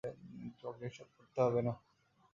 তোমাকে এইসব করতে হবে না।